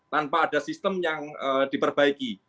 tanpa ada sistem yang diperbaiki